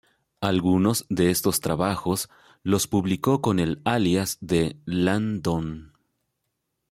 Algunos de estos trabajos los publicó con el alias de "Ian Don".